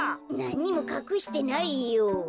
なんにもかくしてないよ。